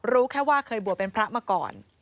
รู้แค่ว่าเคยบวชเป็นพระมาก่อน